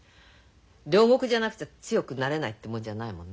両国じゃなくちゃ強くなれないってもんじゃないもんね。